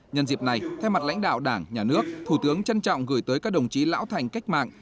nhân dịp này theo mặt lãnh đạo đảng nhà nước thủ tướng trân trọng gửi tới các đồng chí lão thành cách mạng